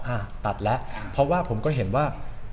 อ่ะตัดแล้วเพราะว่าผมก็เห็นว่า